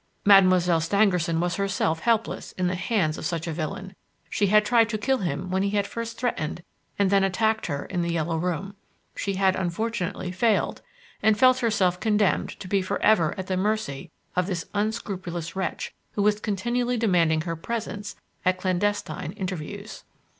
Mademoiselle Stangerson was herself helpless in the hands of such a villain. She had tried to kill him when he had first threatened and then attacked her in "The Yellow Room". She had, unfortunately, failed, and felt herself condemned to be for ever at the mercy of this unscrupulous wretch who was continually demanding her presence at clandestine interviews.